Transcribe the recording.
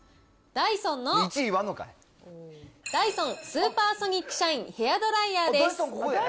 ダイソンのダイソンスーパーソニックシャインヘアドライヤーです。